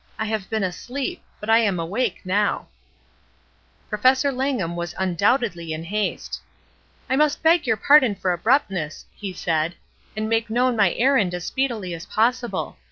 "I have been asleep, but I am awake now," Professor Langham was undoubtedly in haste. "I must beg your pardon for abruptness," he said, "and make kno\^Ti my errand as speedily as possible.